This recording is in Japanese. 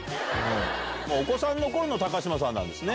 お子さんの頃の高嶋さんですね。